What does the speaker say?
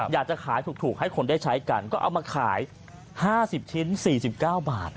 อยากจะขายถูกให้คนได้ใช้กันก็เอามาขาย๕๐ชิ้น๔๙บาท